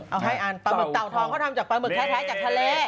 เอาให้อ่านปลาหมึกเต่าทองเขาทำจากปลาหมึกแท้จากทะเล